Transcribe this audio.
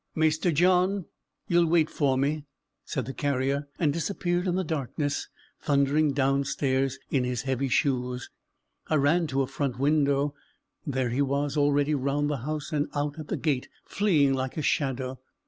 "Maister John, ye'll wait for me," said the carrier; and disappeared in the darkness, thundering downstairs in his heavy shoes. I ran to a front window; there he was, already round the house, and out at the gate, fleeing like a shadow.